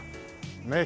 ねえ。